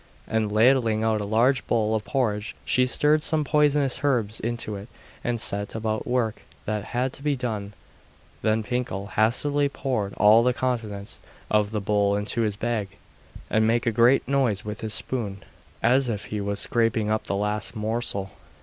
And ladling out a large bowl of porridge, she stirred some poisonous herbs into it, and set about work that had to be done. Then Pinkel hastily poured all the contents of the bowl into his bag, and make a great noise with his spoon, as if he was scraping up the last morsel.